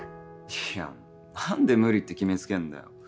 いや何で無理って決め付けんだよ。